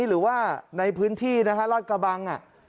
หรือว่าในพื้นที่นะฮะราชกระบัง